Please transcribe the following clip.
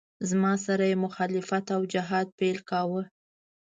زما سره یې مخالفت او جهاد پیل کاوه.